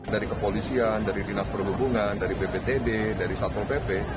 dari kepolisian dari dinas perhubungan dari bptd dari satpol pp